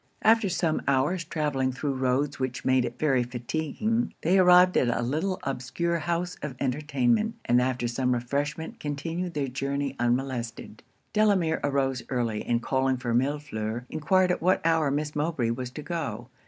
After some hours travelling through roads which made it very fatigueing, they arrived at a little obscure house of entertainment, and after some refreshment, continued their journey unmolested. Delamere arose early, and calling for Millefleur, enquired at what hour Miss Mowbray was to go.